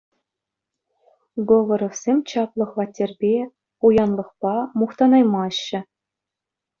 Говоровсем чаплӑ хваттерпе, пуянлӑхпа мухтанаймаҫҫӗ.